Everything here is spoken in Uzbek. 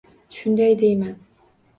Shunday deyman